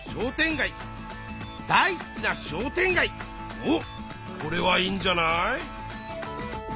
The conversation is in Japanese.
おっこれはいいんじゃない？